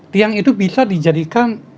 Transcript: tiang itu bisa dijadikan